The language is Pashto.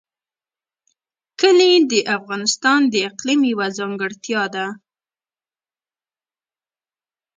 کلي د افغانستان د اقلیم یوه ځانګړتیا ده.